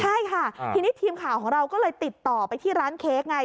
ใช่ค่ะทีนี้ทีมข่าวของเราก็เลยติดต่อไปที่ร้านเค้กไง